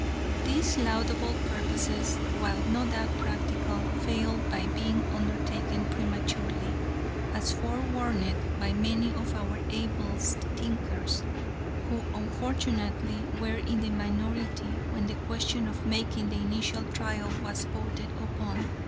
"These laudable purposes, while no doubt practical, failed by being undertaken prematurely as forewarned by many of our ablest thinkers, who, unfortunately, were in the minority when the question of making the initial trial was voted upon.